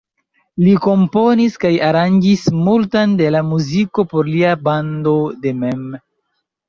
Li komponis kaj aranĝis multan de la muziko por lia bando de mem.